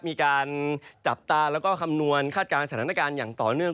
มีการจับตาแล้วก็คำนวณคาดการณ์สถานการณ์อย่างต่อเนื่อง